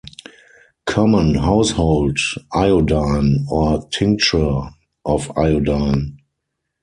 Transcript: Common household iodine or tincture of iodine.